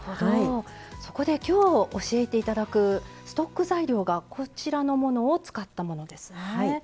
そこできょう教えていただくストック材料がこちらのものを使ったものですね。